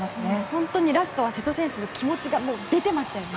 本当にラストは瀬戸選手の気持ちが出ていましたよね。